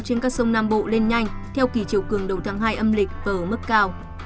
trên các sông nam bộ lên nhanh theo kỳ chiều cường đầu tháng hai âm lịch và ở mức cao